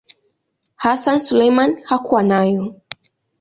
Hassan Suleiman hakuwa nayo.